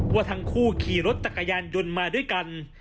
ว่าทั้งคู่ขี่รถจักรยานยนต์มาด้วยกัน